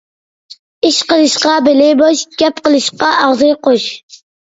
ئىش قىلىشقا بېلى بوش، گەپ قىلىشقا ئاغزى قوش.